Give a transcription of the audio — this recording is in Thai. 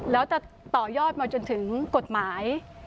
แล้วจะต่อยอดมาจนถึงกฎหมาย